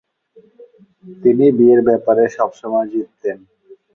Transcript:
তিনি বিয়ের ব্যাপারে সবসময়ই জিততেন।